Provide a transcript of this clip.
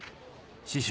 師匠。